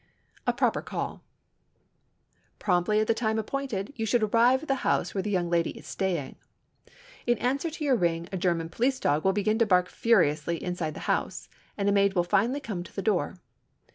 A PROPER CALL Promptly at the time appointed you should arrive at the house where the young lady is staying. In answer to your ring a German police dog will begin to bark furiously inside the house, and a maid will finally come to the door.